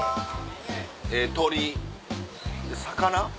鶏魚？